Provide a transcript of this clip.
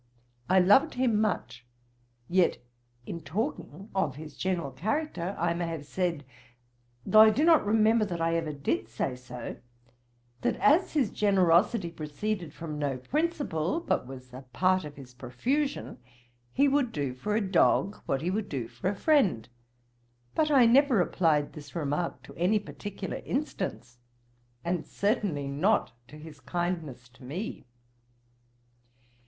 I loved him much; yet, in talking of his general character, I may have said, though I do not remember that I ever did say so, that as his generosity proceeded from no principle, but was a part of his profusion, he would do for a dog what he would do for a friend: but I never applied this remark to any particular instance, and certainly not to his kindness to me.